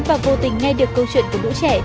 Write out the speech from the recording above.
và vô tình nghe được câu chuyện của lũ trẻ